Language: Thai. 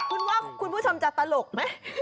คุณว่าคุณผู้ชมจะตลกไหม